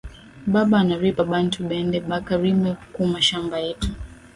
Baba ana ripa bantu bende baka rime ku mashamba yetu